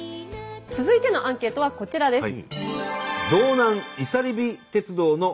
続いてのアンケートはこちらです。